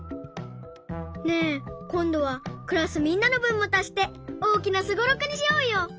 ねえこんどはクラスみんなのぶんもたして大きなスゴロクにしようよ！